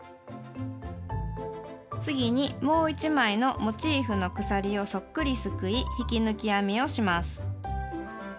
次にもう１枚のモチーフの鎖をそっくりすくい引き抜き編みをします。